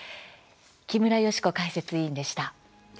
木村祥子解説委員でした。